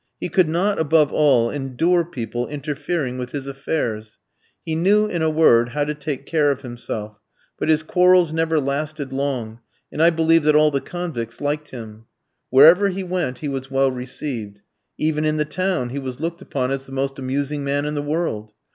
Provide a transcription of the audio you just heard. He could not, above all, endure people interfering with his affairs. He knew, in a word, how to take care of himself; but his quarrels never lasted long, and I believe that all the convicts liked him. Wherever he went he was well received. Even in the town he was looked upon as the most amusing man in the world.